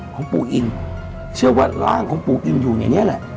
ของปู่อินเชื่อว่าร่างของปู่อินอยู่ในนี้แหละ